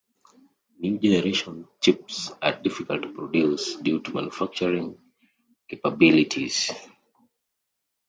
New generation chips are difficult to produce due to manufacturing capabilities.